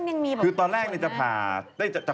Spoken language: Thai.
จะคลอดธรรมาชาติถูกมั้ยครับ